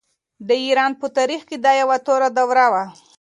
د ایران په تاریخ کې دا یوه توره دوره وه.